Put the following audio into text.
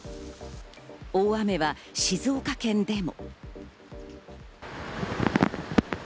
大雨は静岡県でも。